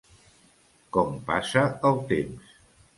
Com passa el temps!